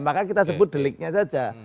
maka kita sebut deliknya saja